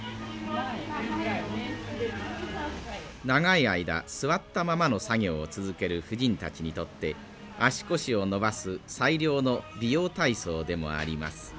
長い間座ったままの作業を続ける婦人たちにとって足腰を伸ばす最良の美容体操でもあります。